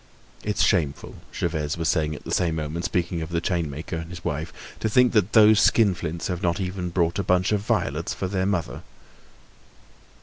"It's shameful!" Gervaise was saying at the same moment, speaking of the chainmaker and his wife. "To think that those skinflints have not even brought a bunch of violets for their mother!"